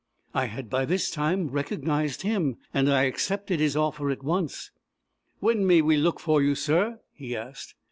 I had by this time recognised him, and I accepted his offer at once. "When may we look for you, sir?" he asked.